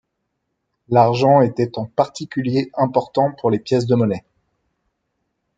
L'argent était en particulier important pour les pièces de monnaie.